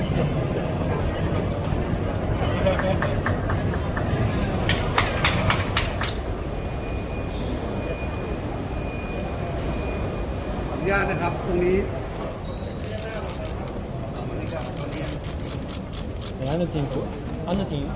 สวัสดีครับ